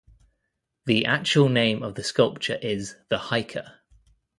The actual name of the sculpture is The Hiker.